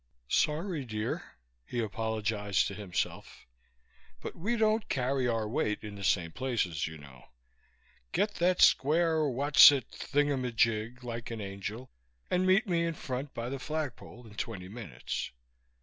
"Sorry, dear," he apologized to himself, "but we don't carry our weight in the same places, you know. Get that square what'sit thingamajig, like an angel, and meet me in front by the flagpole in twenty minutes."